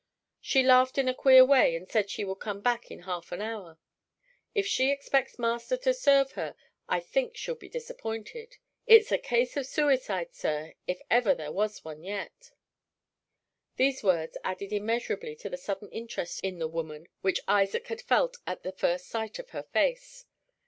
She laughed in a queer way, and said she would come back in half an hour. If she expects master to serve her, I think she'll be disappointed. It's a case of suicide, sir, if ever there was one yet." These words added immeasurably to the sudden interest in the woman which Isaac had felt at the first sight of her face.